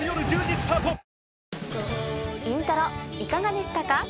『イントロ』いかがでしたか？